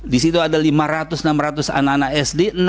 di situ ada lima ratus enam ratus anak anak sd